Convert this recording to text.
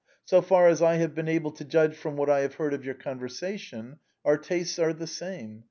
So far as I have been able to judge from what I have heard of your conversation, our tastes are the same.